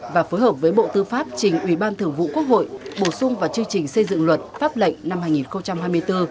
và phối hợp với bộ tư pháp trình ủy ban thường vụ quốc hội bổ sung vào chương trình xây dựng luật pháp lệnh năm hai nghìn hai mươi bốn